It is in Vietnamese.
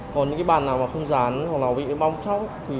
còn những bàn nào không dán hoặc bị bong chóc